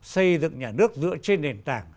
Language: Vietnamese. xây dựng nhà nước dựa trên nền tảng